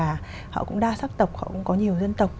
và họ cũng đa sắc tộc họ cũng có nhiều dân tộc